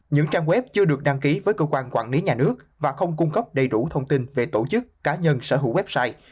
những trang web chưa được đăng ký với cơ quan quản lý nhà nước và không cung cấp đầy đủ thông tin về tổ chức cá nhân sở hữu website